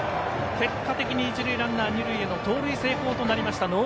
結果的に一塁ランナーは二塁への盗塁成功となりました。